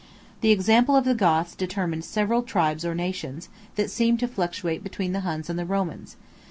The example of the Goths determined several tribes or nations, that seemed to fluctuate between the Huns and the Romans.